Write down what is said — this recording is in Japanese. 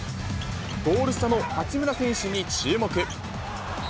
ゴール下の八村選手に注目。